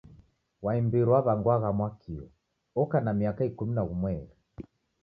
Wa imbiri waw'angwagha Mwakio oka na miaka ikumi na ghumweri.